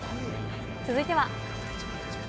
続いては。